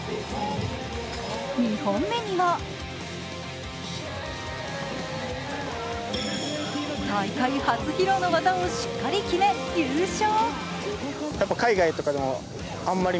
２本目には大会初披露の技をしっかり決め優勝。